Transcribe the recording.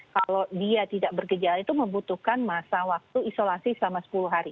kalau dia tidak bergejala itu membutuhkan masa waktu isolasi selama sepuluh hari